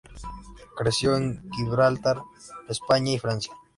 Creció en Gibraltar, España y Francia.